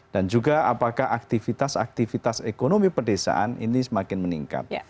dan juga apakah aktivitas aktivitas ekonomi pedesaan ini semakin meningkat